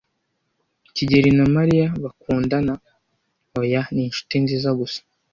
"kigeli na Mariya bakundana?" "Oya, ni inshuti nziza gusa."